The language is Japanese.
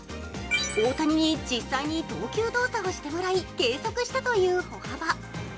大谷に実際に投球動作をしてもらい計測したという歩幅。